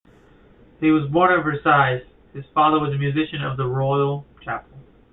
He was born at Versailles; his father was a musician of the royal chapel.